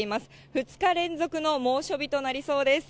２日連続の猛暑日となりそうです。